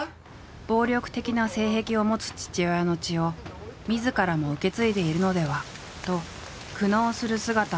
暴力的な性癖を持つ父親の血をみずからも受け継いでいるのではと苦悩する姿を熱演した。